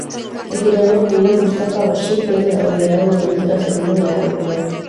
El tirador Ghulam Mustafa Bashir fue el abanderado durante la ceremonia de apertura.